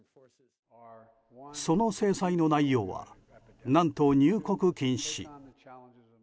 その制裁の内容は何と入国禁止。